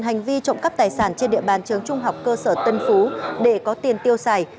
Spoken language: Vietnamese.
hành vi trộm cắp tài sản trên địa bàn trường trung học cơ sở tân phú để có tiền tiêu xài